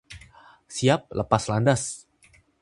Siap lepas landas.